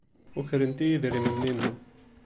Ukrent-iyi idrimen-inu.